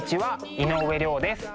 井上涼です。